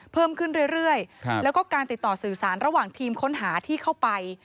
เพิ่มขึ้นเรื่อยแล้วก็การติดต่อสื่อสารระหว่างทีมค้นหาที่เข้าไป